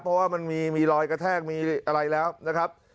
เพราะว่ามันมีรอยกระแทกมีอะไรแล้วนะครับ